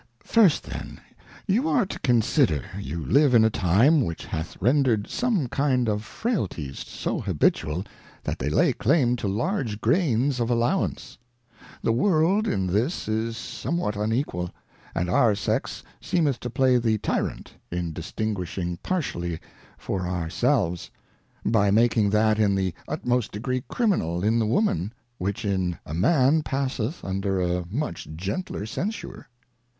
First then, you are to consider, you live in a time which hath rendred some kind of Frailties so habitual, that they lay claim to large Grains of Allowance. The World in this is somewhat unequal, and our Sex seemeth to play the Tyrant in distinguish jng partially for our selves, by making that in the utmost degree Criminal in the Woman, whi£jjJii_a_MfflM passeth under a much gentler Censure.